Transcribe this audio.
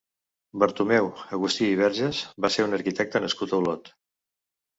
Bartomeu Agustí i Vergés va ser un arquitecte nascut a Olot.